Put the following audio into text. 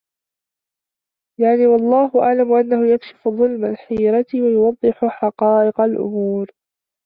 يَعْنِي وَاَللَّهُ أَعْلَمُ أَنَّهُ يَكْشِفُ ظُلْمَ الْحِيرَةِ ، وَيُوَضِّحُ حَقَائِقَ الْأُمُورِ